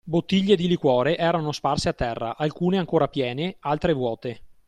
Bottiglie di liquore erano sparse a terra, alcune ancora piene, altre vuote.